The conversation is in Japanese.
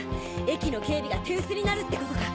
駅の警備が手薄になるってことか。